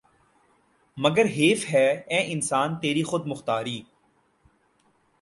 مگر حیف ہے اے انسان تیری خود مختاری